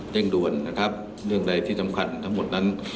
เต้นดวนเรื่องใดที่สำคัญทั้งหมดนั้น